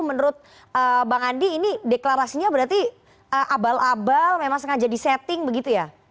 menurut bang andi ini deklarasinya berarti abal abal memang sengaja disetting begitu ya